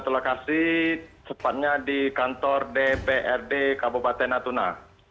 lokasi sempatnya di kantor dprd kabupaten natuna